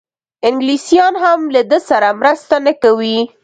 انګلیسیان هم له ده سره مرسته نه کوي.